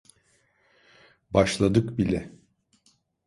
Başladık bile.